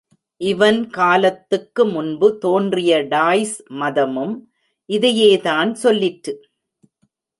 இவன் காலத்துக்கு முன்பு தோன்றிய டாய்ஸ் மதமும் இதையேதான் சொல்லிற்று.